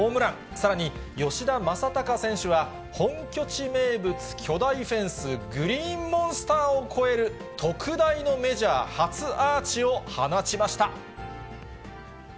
さらに吉田正尚選手は本拠地名物、巨大フェンス、グリーンモンスターを越える特大のメジャー初アーチを放ちました。